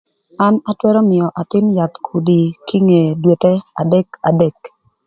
An atwërö mïö athïn yath kudi kinge dwethe adek adek.